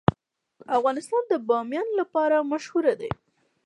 افغانستان د بامیان لپاره مشهور دی.